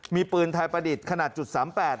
มีปืนไทยประดิษฐ์ขนาด๐๓๘